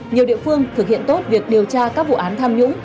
nhiều địa phương thực hiện tốt việc điều tra các vụ án tham nhũng